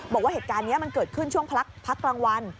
บอกว่าเหตุการณ์นี้มันเกิดขึ้นช่วงพักกลางวัน